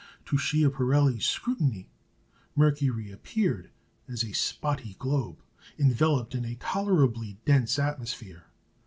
To Schiaparelli's scrutiny, Mercury appeared as a "spotty globe," enveloped in a tolerably dense atmosphere.